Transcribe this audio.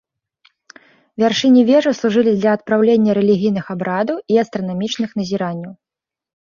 Вяршыні вежаў служылі для адпраўлення рэлігійных абрадаў і астранамічных назіранняў.